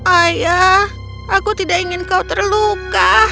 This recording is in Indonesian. ayah aku tidak ingin kau terluka